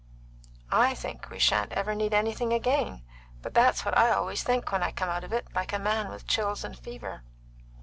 I think we sha'n't ever need anything again; but that's what I always think when I come out of it like a man with chills and fever."